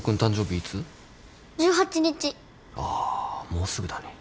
あーもうすぐだね。